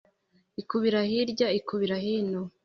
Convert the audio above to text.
Ikubira hirya ikubira hino,